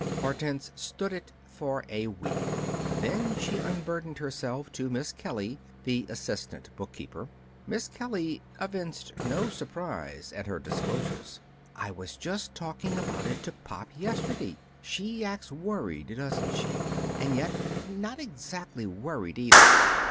Hortense stood it for a week. Then she unburdened herself to Miss Kelly, the assistant bookkeeper. Miss Kelly evinced no surprise at her disclosures. "I was just talking about it to Pop yesterday. She acts worried, doesn't she? And yet, not exactly worried, either.